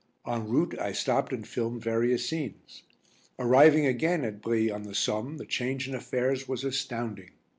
En route I stopped and filmed various scenes. Arriving again at Brie on the Somme the change in affairs was astounding.